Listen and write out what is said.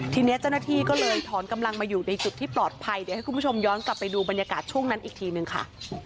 ทีนี้เจ้าหน้าที่ก็เลยถอนกำลังมาอยู่ในจุดที่ปลอดภัยเดี๋ยวให้คุณผู้ชมย้อนกลับไปดูบรรยากาศช่วงนั้นอีกทีนึงค่ะ